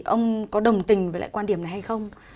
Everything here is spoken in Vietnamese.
ông có đồng tình với lại quan điểm này hay không